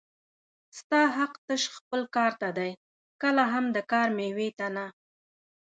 ستا حق تش خپل کار ته دی کله هم د کار مېوې ته نه